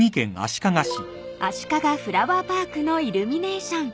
［あしかがフラワーパークのイルミネーション］